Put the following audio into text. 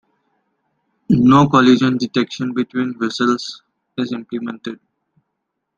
No collision detection between vessels is implemented.